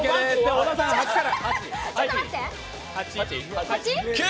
小田さん、８から。